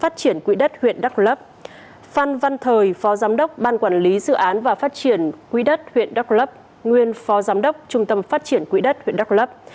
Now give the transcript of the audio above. triển quỹ đất huyện đắk lấp nguyên phó giám đốc trung tâm phát triển quỹ đất huyện đắk lấp